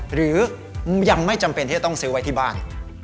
หรือยังไม่จำเป็นที่จะต้องซื้อไว้ที่บ้าน